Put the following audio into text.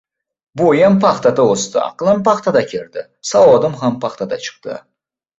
Bo‘yim paxtada o‘sdi. Aqlim paxtada kirdi. Savodim paxtada chiqdi.